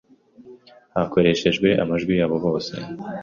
hakoreshejwe amajwi yabo bose,